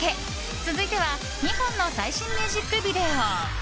続いては２本の最新ミュージックビデオ。